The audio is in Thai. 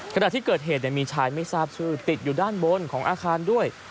ขณะที่เกิดเหตุมีชายไม่ทราบชื่อติดอยู่ด้านบนของอาคารด้วย